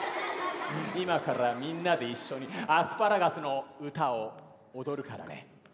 今からみんなで一緒にアスパラガスの歌を踊るからね。